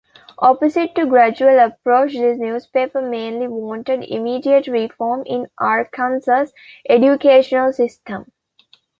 Opposite to gradual approach, this newspaper mainly wanted immediate reform in Arkansas' educational system.